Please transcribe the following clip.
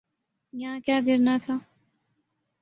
یہاں کیا گرنا تھا؟